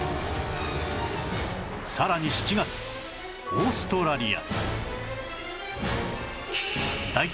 さらに７月オーストラリア